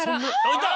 いった！